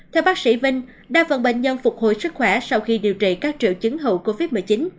theo bác sĩ vinh đa phần bệnh nhân phục hồi sức khỏe sau khi điều trị các triệu chứng hậu covid một mươi chín